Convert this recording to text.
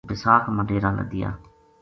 بِساکھ ما ڈیرا لَدیا